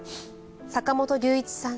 坂本龍一さん